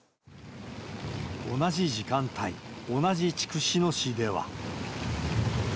同じ時間帯、同じ筑紫野市では。